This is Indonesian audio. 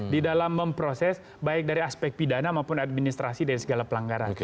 di dalam memproses baik dari aspek pidana maupun administrasi dari segala pelanggaran